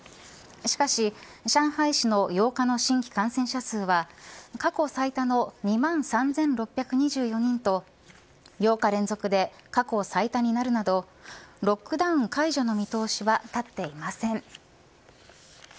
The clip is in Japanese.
しかし、上海市の８日の新規感染者数は過去最多の２万３６２４人と８日連続で過去最多になるなどロックダウン解除の見通しは立っていません。